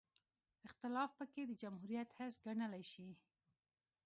اختلاف پکې د جمهوریت حسن ګڼلی شي.